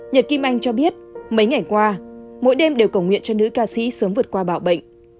nhật kim anh cho biết mấy ngày qua mỗi đêm đều cầu nguyện cho nữ ca sĩ sớm vượt qua bạo bệnh